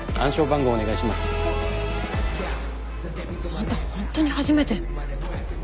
あんたホントに初めて？